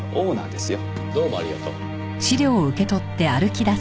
どうもありがとう。